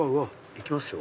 いきますよ。